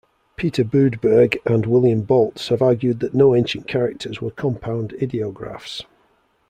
Peter Boodberg and William Boltz have argued that no ancient characters were compound ideographs.